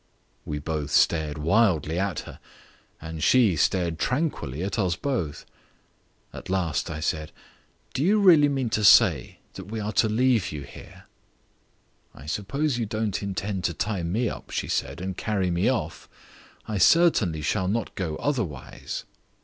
We both stared wildly at her and she stared tranquilly at us both. At last I said, "Do you really mean to say that we are to leave you here?" "I suppose you don't intend to tie me up," she said, "and carry me off? I certainly shall not go otherwise."